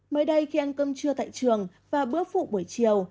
mới đây khi ăn cơm trưa tại trường và bữa phụ buổi chiều